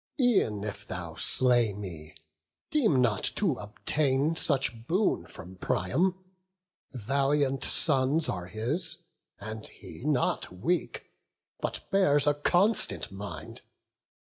E'en if thou slay me, deem not to obtain Such boon from Priam; valiant sons are his, And he not weak, but bears a constant mind.